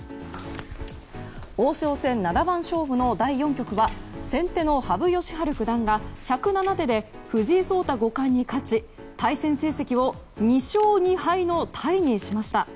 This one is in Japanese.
王将戦七番勝負の第４局は先手の羽生善治九段が１０７手で藤井聡太五冠に勝ち対戦成績を２勝２敗のタイにしました。